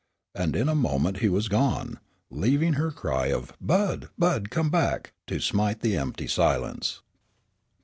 And in a moment he was gone, leaving her cry of "Bud, Bud, come back," to smite the empty silence.